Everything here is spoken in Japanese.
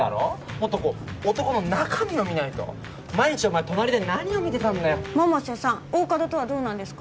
もっとこう男の中身を見ないと毎日お前隣で何を見てたんだよ百瀬さん大加戸とはどうなんですか？